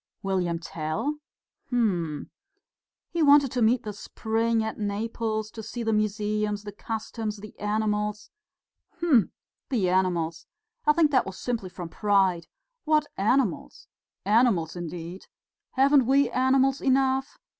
"William Tell? Hm!" "He wanted to meet the spring at Naples, to see the museums, the customs, the animals...." "Hm! The animals! I think it was simply from pride. What animals? Animals, indeed! Haven't we animals enough?